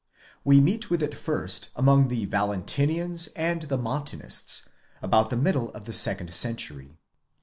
We meet with it first among the Valentinians and the Montanists, about the middle of the second century.